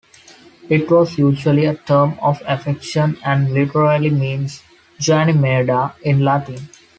It was usually a term of affection and literally means "Ganymede" in Latin.